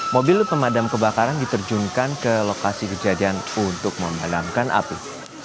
mobil pemadam kebakaran diterjunkan ke lokasi kejadian untuk memadamkan api